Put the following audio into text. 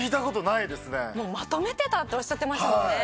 まとめてたっておっしゃってましたもんね。